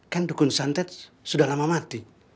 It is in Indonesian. kan dukun santet sudah lama mati